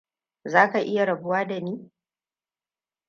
Za ka iya rabuwa da ni?